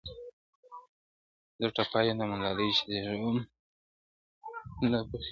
زه ټپه یم د ملالي چي زړېږم لا پخېږم,